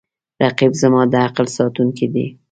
رقیب زما د عقل ساتونکی دی